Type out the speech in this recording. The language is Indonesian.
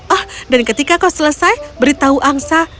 oh dan ketika kau selesai beritahu angsa